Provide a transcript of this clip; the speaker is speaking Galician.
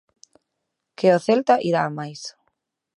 Que o Celta irá a máis.